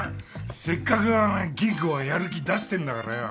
せっかく吟子がやる気出してんだからよ